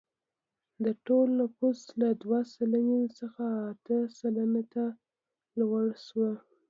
د ټول نفوس له دوه سلنې څخه اته سلنې ته لوړ شو.